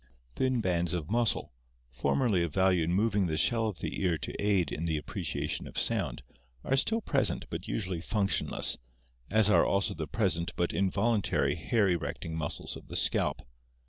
Thin bands of muscle, formerly of value in moving the shell of the ear to aid in the appreciation of sound, are still present but usually functionless, as are also the present but involuntary hair erecting muscles of the scalp.